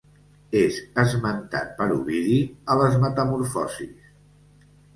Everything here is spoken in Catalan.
És esmentat per Ovidi a les Metamorfosis.